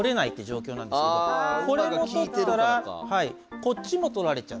これも取ったらこっちも取られちゃう。